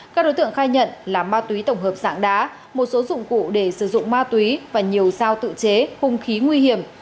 các đối tượng khai nhận là ma túy tổng hợp dạng đá một số dụng cụ để sử dụng ma túy và nhiều sao tự chế hung khí nguy hiểm